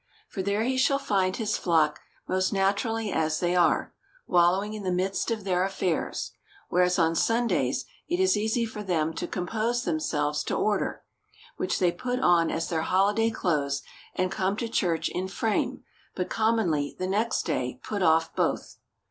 For there he shall find his flock most naturally as they are, wal lowing in the midst of their affairs ; whereas on Sundays it is easy for them to compose themselves to order, which they put on as their holiday clothes, and come to church in frame, but commonly the next day put oflf both.